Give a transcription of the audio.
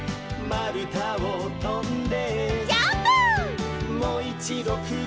「まるたをとんで」